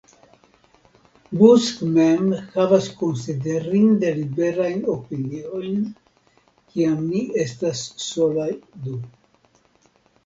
Busk mem havas konsiderinde liberajn opiniojn, kiam ni estas solaj du.